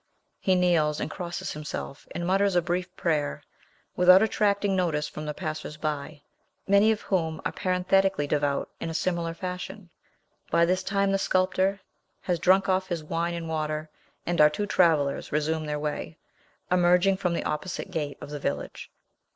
He kneels and crosses himself, and mutters a brief prayer, without attracting notice from the passers by, many of whom are parenthetically devout in a similar fashion. By this time the sculptor has drunk off his wine and water, and our two travellers resume their way, emerging from the opposite gate of the village.